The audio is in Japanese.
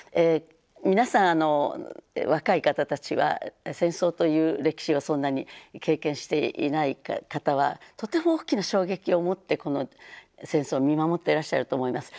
皆さん若い方たちは戦争という歴史をそんなに経験していない方はとても大きな衝撃を持ってこの戦争を見守ってらっしゃると思います。